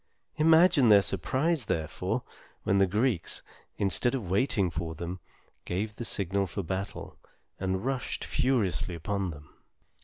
Imagine their surprise, therefore, when the Greeks, instead of waiting for them, gave the signal for battle, and rushed furiously upon them.